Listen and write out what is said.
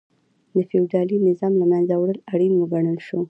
د فیوډالي نظام له منځه وړل اړین وګڼل شو.